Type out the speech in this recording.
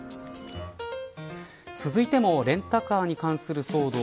続いてもレンタカーに関する騒動。